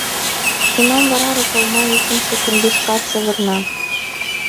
Тунам вара роколма икымше киндышкат савырна.